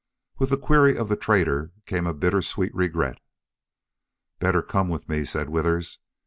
With the query of the trader came a bitter sweet regret. "Better come with me," said Withers.